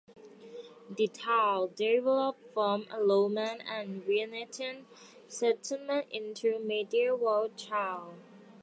The town developed from a Roman and Venetian settlement into a medieval town.